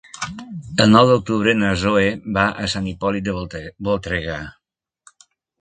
El nou d'octubre na Zoè va a Sant Hipòlit de Voltregà.